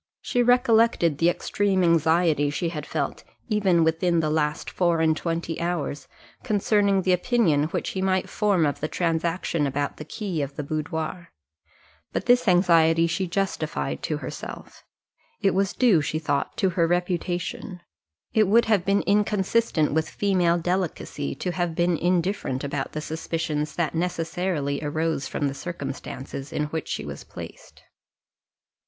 She recollected the extreme anxiety she had felt, even within the last four and twenty hours, concerning the opinion which he might form of the transaction about the key of the boudoir but this anxiety she justified to herself; it was due, she thought, to her reputation; it would have been inconsistent with female delicacy to have been indifferent about the suspicions that necessarily arose from the circumstances in which she was placed.